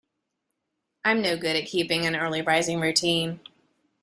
I'm no good at keeping an early rising routine.